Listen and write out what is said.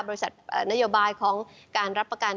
บริษัทนโยบายของการรับประกัน